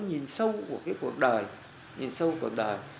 nhìn sâu của cái cuộc đời nhìn sâu cuộc đời